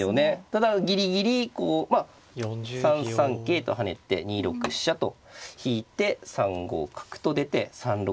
ただギリギリこうまあ３三桂と跳ねて２六飛車と引いて３五角と出て３六飛車と行って。